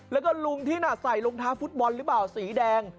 แล้วก็ลุงที่น่ะใส่รองเท้าฟุตบอลหรือเปล่าสีแดง